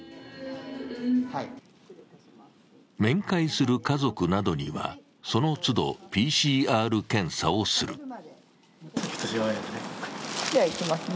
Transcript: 面会する家族などにはその都度、ＰＣＲ検査をする。